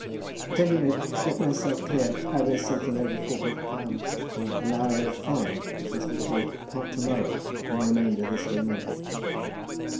At any rate, to get myself clear I raised something over four hundred pounds, and now I owe five which must be paid, part to morrow, and the remainder this day month."